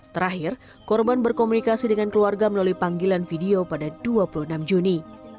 terakhir korban berkomunikasi dengan keluarga melalui panggilan video pada dua puluh enam juni